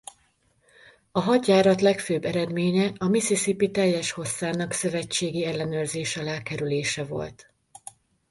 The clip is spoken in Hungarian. A hadjárat legfőbb eredménye a Mississippi teljes hosszának szövetségi ellenőrzés alá kerülése volt.